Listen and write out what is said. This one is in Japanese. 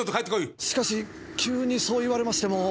しかし急にそう言われましても。